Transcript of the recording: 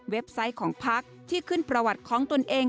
ไซต์ของพักที่ขึ้นประวัติของตนเอง